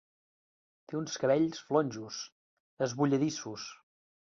Té uns cabells flonjos, esbulladissos.